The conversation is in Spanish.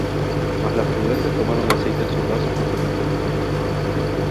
Mas las prudentes tomaron aceite en sus vasos, juntamente con sus lámparas.